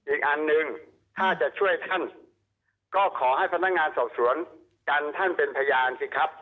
อีกอันหนึ่งถ้าจะช่วยท่านก็ขอให้พนักงานสอบสวนกันท่านเป็นพยานสิครับ